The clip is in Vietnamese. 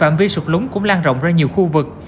phạm vi sụp lúng cũng lan rộng ra nhiều khu vực